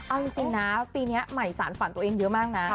เอาจริงนะปีนี้ใหม่สารฝันตัวเองเยอะมากนะ